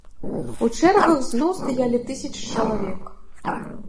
У чэргах зноў стаялі тысячы чалавек.